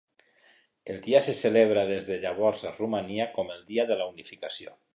El dia se celebra des de llavors a Romania com el dia de la unificació.